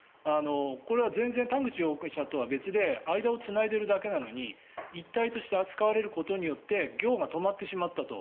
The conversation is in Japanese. これは全然田口容疑者とは別で間をつないでいるだけなのに一体として扱われることによって業が止まってしまったと。